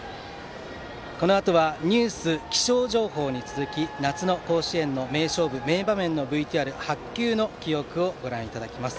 このあとはニュース気象情報に続き夏の甲子園の名勝負・名場面のＶＴＲ白球の記憶をご覧いただきます。